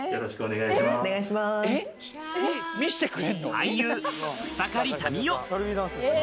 俳優・草刈民代。